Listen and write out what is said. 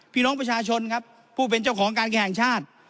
พี่น้องประชาชนครับผู้เป็นเจ้าของการแข่งชาติ